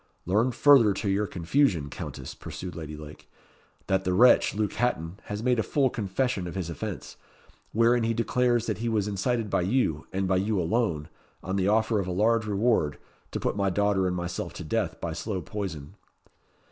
"Learn further to your confusion, Countess," pursued Lady Lake, "that the wretch, Luke Hatton, has made a full confession of his offence, wherein he declares that he was incited by you, and by you alone, on the offer of a large reward, to put my daughter and myself to death by slow poison."